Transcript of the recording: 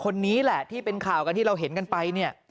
คนนี้แหละที่เป็นข่าวกันที่เราเห็นกันไปเนี่ย